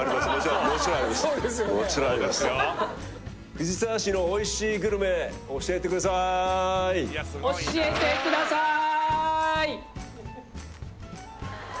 藤沢市のおいしいグルメ教えてください教えてください